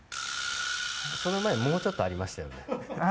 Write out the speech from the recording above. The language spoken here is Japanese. その前もうちょっとありましたよね。